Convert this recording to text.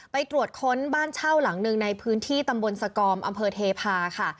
ไปตรวจค้นบ้านเช่าหลังหนึ่งในพื้นที่ตำบลสกอมอำเภอเทพาค่ะ